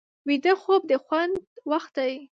ویده خوب د خوند وخت دی